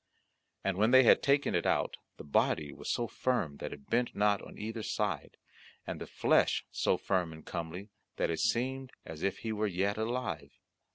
And when they had taken it out, the body was so firm that it bent not on either side, and the flesh so firm and comely, that it seemed as if he were yet alive.